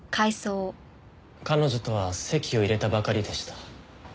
彼女とは籍を入れたばかりでした。